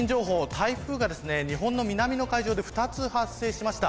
台風が日本の南の海上で２つ発生しました。